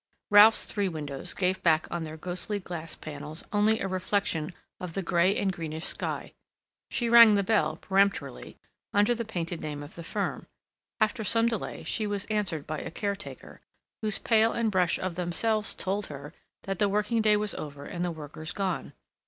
Ralph's three windows gave back on their ghostly glass panels only a reflection of the gray and greenish sky. She rang the bell, peremptorily, under the painted name of the firm. After some delay she was answered by a caretaker, whose pail and brush of themselves told her that the working day was over and the workers gone.